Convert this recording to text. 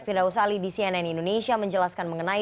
firdaus ali di cnn indonesia menjelaskan mengenai